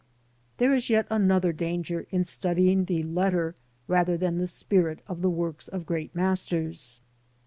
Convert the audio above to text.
There is yet another danger in studying the letter, rather than the spirit of the works of great masters.